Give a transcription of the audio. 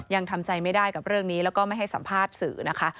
ยังทำใจไม่ได้กับเรื่องนี้แล้วก็ไม่ให้สัมภาษณ์สื่อนะคะ